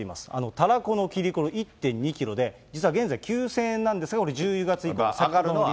たらこの切子、１．２キロで、実は現在、９０００円なんですが、これ、１０月以上がるのは。